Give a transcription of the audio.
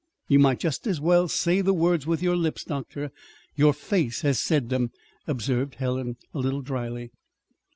"You might just as well say the words with your lips, Doctor. Your face has said them," observed Helen, a little dryly.